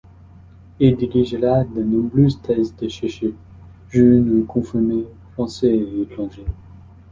Il dirigera de nombreuses thèses de chercheurs, jeunes ou confirmés, français et étrangers.